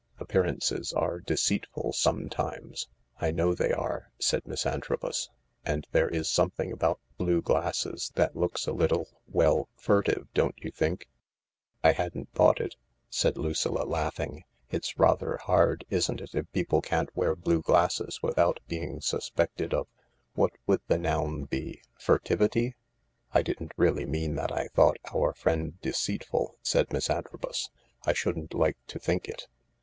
Appearances are deceitful sometimes. "" I know they are," said Miss Antrobus. And there is something about blue glasses that looks a little— well furtive, don't you think ?"" 1 hadn't thought it," said Lucilla, laughing. " It's rather hard, isn't it, if people can't wear blue glasses without being suspected of— what would the noun be ?— furtivity ?"" I didn't really mean that I thought our friend deceitful," said Miss Antrobus. " I shouldn't like to think it.